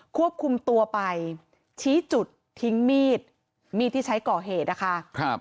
ควบคุมตัวไปชี้จุดทิ้งมีดมีดที่ใช้ก่อเหตุนะคะ